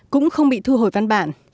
cũng không bị thu hồi văn bản